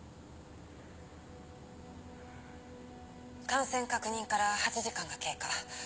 感染確認から８時間が経過。